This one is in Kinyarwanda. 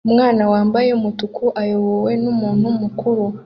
Umwana wambaye umutuku ayobowe numuntu mukuru